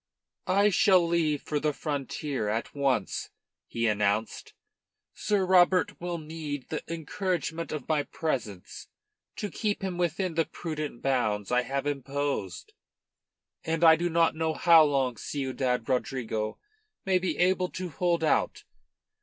"I shall leave for the frontier at once," he announced. "Sir Robert will need the encouragement of my presence to keep him within the prudent bounds I have imposed. And I do not know how long Ciudad Rodrigo may be able to hold out.